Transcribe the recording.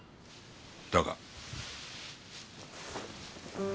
だが。